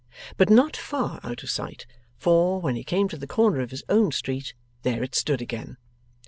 But, not far out of sight, for, when he came to the corner of his own street, there it stood again.